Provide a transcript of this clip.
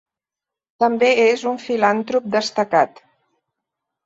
També és un filantrop destacat.